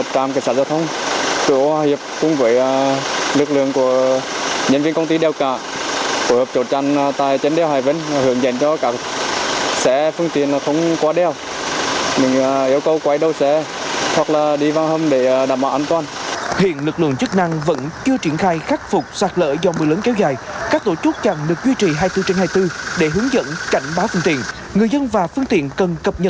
trạm cảnh sát giao thông cửa âu hòa hiệp hối hợp với công an phường hòa hiệp bắc bố trí lực lượng tổ chức chặn không cho người và phương tiện lên đèo